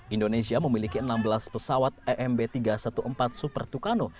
indonesia memiliki enam belas pesawat emb tiga ratus empat belas super tucano